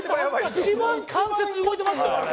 一番関節動いてましたよあれ。